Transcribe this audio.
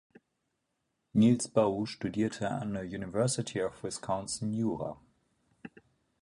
Nils Boe studierte an der University of Wisconsin Jura.